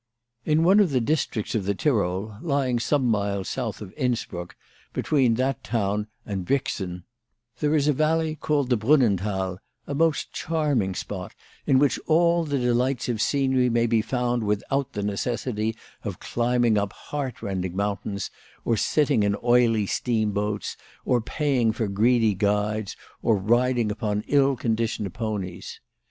In one of the districts of the Tyrol, lying some miles soutn" of Innsbruck, between that town and Brixen, there is a valley called the Brun 4 WHY FRAU FROHMANN RAISED HER, PRICES. nenthal, a most charming spot, in which all the delights of scenery may be found without the necessity of climbing up heart rending mountains, or sitting in oily steamboats, or paying for greedy guides, or riding upon ill conditioned ponies.